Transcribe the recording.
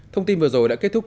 thông tin vừa rồi đã kết thúc